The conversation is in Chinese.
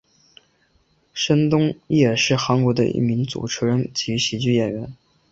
申东烨是韩国的一名主持人及喜剧演员。